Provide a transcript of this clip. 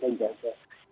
tapi kalau tiga juga